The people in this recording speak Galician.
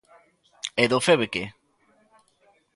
¿E do Feve que?